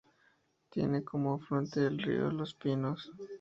Tiene como afluente al río Los Pinos.